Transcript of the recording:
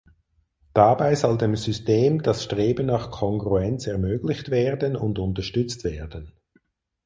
Dabei soll dem System das Streben nach Kongruenz ermöglicht werden und unterstützt werden.